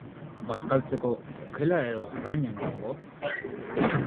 Bazkaltzeko, okela ala arraina nahiago?